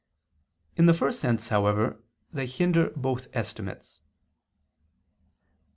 In the first sense, however, they hinder both estimates.